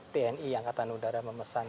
tni angkatan udara memesan